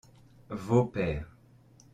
vos pères.